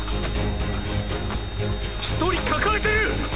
１人抱えてる！